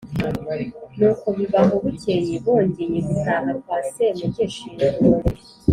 nuko biba aho, bukeye bongeye gutaha kwa semugeshi,